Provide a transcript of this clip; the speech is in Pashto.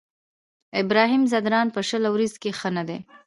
ابراهيم ځدراڼ په شل اوريزو کې ښه نه دی.